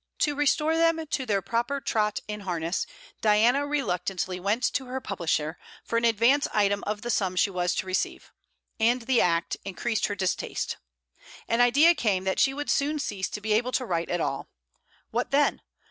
To restore them to their proper trot in harness, Diana reluctantly went to her publisher for an advance item of the sum she was to receive, and the act increased her distaste. An idea came that she would soon cease to be able to write at all. What then?